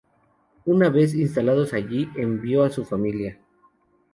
Una vez instalados allí envió a su familia.